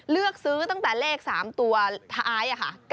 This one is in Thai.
เลือกซื้อตั้งแต่เลข๓ตัวท้ายค่ะ